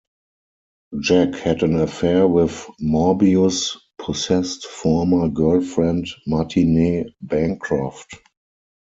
Jack had an affair with Morbius' possessed former girlfriend Martine Bancroft.